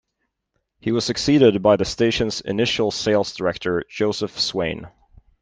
He was succeeded by the station's initial sales director Joseph Swain.